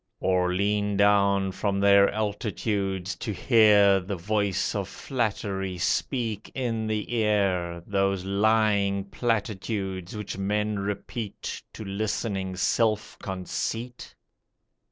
Or lean down from their altitudes to hear The voice of flattery speak in the ear Those lying platitudes which men repeat To listening Self Conceit?